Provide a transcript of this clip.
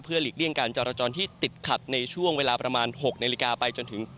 เพื่อริ่งลิ่งการราชนห์ที่ติดขัดในช่วงเวลา๖๐๐นไปจน๑๐๐๐น